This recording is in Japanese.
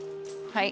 はい。